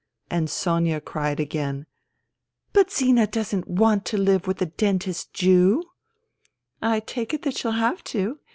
And Sonia cried again, " But Zina doesn't want to live with the dentist Jew !"" I take it that she'll have to.